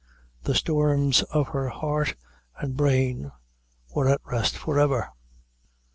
The storms of her heart and brain were at rest forever.